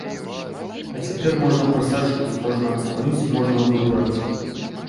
А цяпер можна прасачыць, можна ацаніць, можна выбраць.